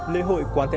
lễ hội quán thế âm